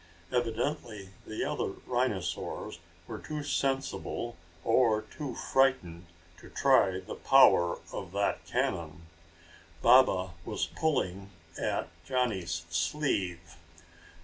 Evidently the other rhinosaurs were too sensible or too frightened to try the power of that cannon. Baba was pulling at Johnny's sleeve.